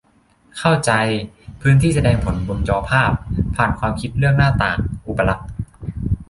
เข้าใจ 'พื้นที่แสดงผลบนจอภาพ' ผ่าน ความคิดเรื่อง 'หน้าต่าง' อุปลักษณ์